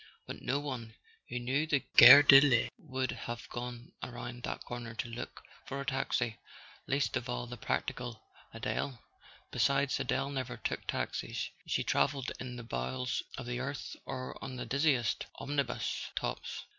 But no one who knew the Gare de l'Est would have gone around that corner to look for a taxi; least of all the practical Adele. Besides, Adele never took taxis: she travelled in the bowels of the earth or on the dizziest omnibus tops.